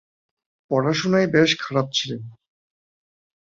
পড়াশোনায় বেশ খারাপ ছিলেন।